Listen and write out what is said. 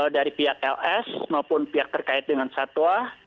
dari pihak ls maupun pihak terkait dengan satwa